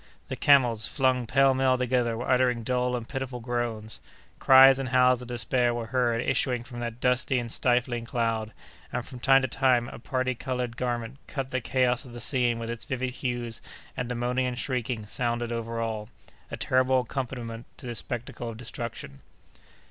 The camels, flung pell mell together, were uttering dull and pitiful groans; cries and howls of despair were heard issuing from that dusty and stifling cloud, and, from time to time, a parti colored garment cut the chaos of the scene with its vivid hues, and the moaning and shrieking sounded over all, a terrible accompaniment to this spectacle of destruction.